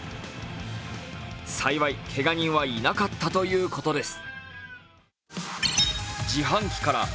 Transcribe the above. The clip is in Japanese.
幸い、けが人はいなかったということです。